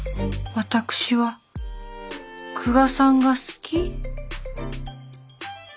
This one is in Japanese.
私は久我さんが好き。